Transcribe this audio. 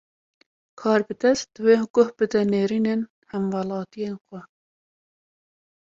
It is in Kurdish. Karbidest, divê guh bide nêrînin hemwelatiyê xwe